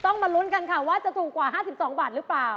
มาลุ้นกันค่ะว่าจะถูกกว่า๕๒บาทหรือเปล่า